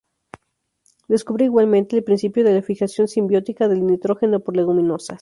Descubre igualmente el principio de la fijación simbiótica del nitrógeno por leguminosas.